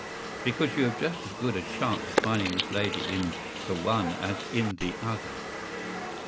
” “Because you have just as good a chance of finding this lady in the one as in the other.